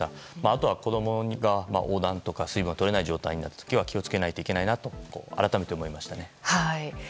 あとは子供が黄だんとか水分をとれない状態になったら気を付けなければいけないなと改めて思いました。